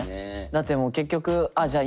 だってもう結局あっじゃあ